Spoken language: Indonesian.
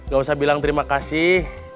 gak usah bilang terima kasih